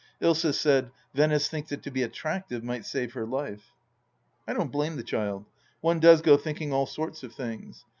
. Ilsa said, " Venice thinks that to be attractive might save her life !" I don't blame the child. One does go thinking aU sorts of things.